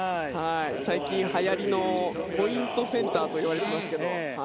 最近はやりのポイントセンターといわれていますが。